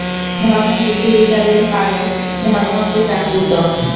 ধর্ম যুক্তিবিচারের পারে, ধর্ম অতি-প্রাকৃত।